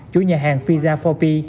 chuỗi nhà hàng pizza bốn p